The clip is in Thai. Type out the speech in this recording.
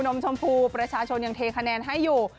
มชมพูประชาชนยังเทคะแนนให้อยู่